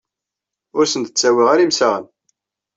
Ur sen-d-ttawiɣ ara imsaɣen.